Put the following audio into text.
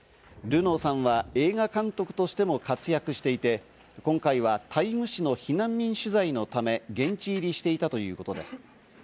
ルノーさんは映画監督としても活躍していて今回はタイム誌の避難民取材のため現地入りしていたということです。